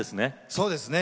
そうですね。